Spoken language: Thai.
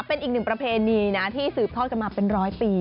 เป็นอีกหนึ่งประเพณีนะที่สืบทอดกันมาเป็นร้อยปี